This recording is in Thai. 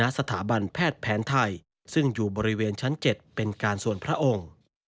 สถาบันแพทย์แผนไทยซึ่งอยู่บริเวณชั้น๗เป็นการส่วนพระองค์